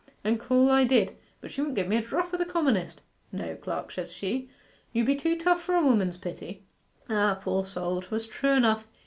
And call I did. But she wouldn't give me a drop o' the commonest. "No, clerk," says she, "you be too tough for a woman's pity."... Ah, poor soul, 'twas true enough!